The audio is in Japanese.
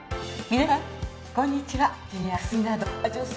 皆さんこんにちは。